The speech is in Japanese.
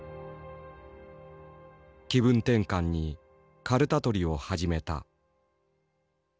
気分転換にカルタ取りを始めた。